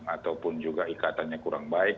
ataupun juga ikatannya kurang baik